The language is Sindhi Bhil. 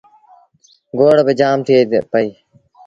گوڙ باجآم ٿئي پئيٚ۔